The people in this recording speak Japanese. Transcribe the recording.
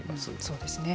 そうですね。